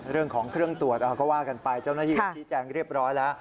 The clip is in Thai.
เรื่องของเครื่องตรวจก็ว่ากันไปเจ้าหน้าที่ก็ชี้แจงเรียบร้อยแล้ว